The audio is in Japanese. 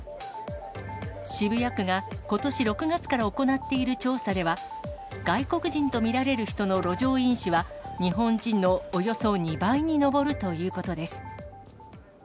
渋谷区がことし６月から行っている調査では、外国人と見られる人の路上飲酒は日本人のおよそ２倍に上るということです。